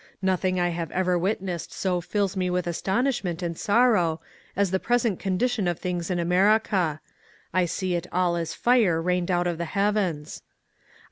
Nothing I have ever witnessed so fills me with astonishment and sorrow as t^ present condition of things in America. I see it all as fire rained out of the heavens."